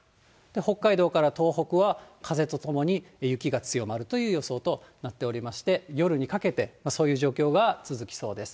北海道から東北は、風とともに雪が強まるという予想となっておりまして、夜にかけて、そういう状況が続きそうです。